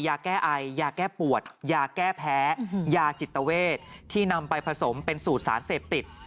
ยาแก้ไอยาแก้ปวดยาแก้แพ้ยาจิตเวทที่นำไปผสมเป็นสูตรสารเสพติด